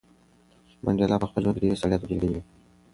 منډېلا په خپل ژوند کې ډېرې سړې او تودې لیدلې وې.